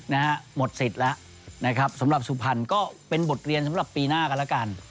นะฮะหมดสิทธิ์แล้วนะครับสำหรับสุพรรณก็เป็นบทเรียนสำหรับปีหน้ากันแล้วกัน